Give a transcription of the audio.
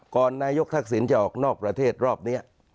ก่อนนายกทักศิลป์จะออกนอกประเทศรอบนี้